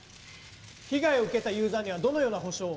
被害を受けたユーザーにはどのような補償を？